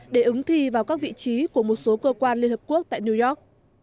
để ứng thi vào các vị trí của một số cơ quan liên hợp quốc tại new york